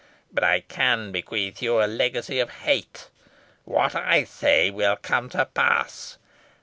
But I can bequeath you a legacy of hate. What I say will come to pass.